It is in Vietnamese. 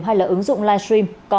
hay là ứng dụng livestream